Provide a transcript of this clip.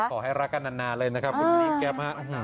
ขอให้รักกันนานเลยนะคะคุณมิดแก๊ป